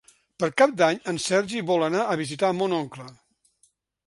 Per Cap d'Any en Sergi vol anar a visitar mon oncle.